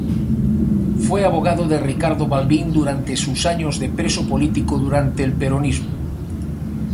Fue abogado de Ricardo Balbín durante sus años de preso político durante el peronismo.